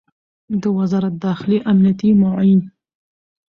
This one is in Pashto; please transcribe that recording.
د وزارت داخلې امنیتي معین